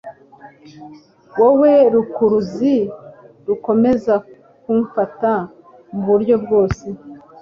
Wowe rukuruzi rukomeza kumfata muburyo bwose.